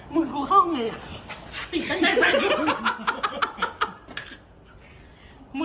มึงกูเข้าไง